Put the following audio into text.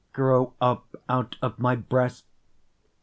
grow up out of my breast!